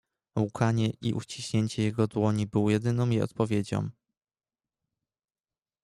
"Łkanie i uściśnięcie jego dłoni był jedyną jej odpowiedzią."